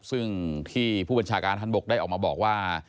ซึ่งที่ผู้บัญชาการท่านบกได้ออกมาบอกว่า